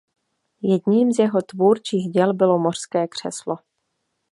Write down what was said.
Jedním z jeho tvůrčích děl bylo "mořské křeslo".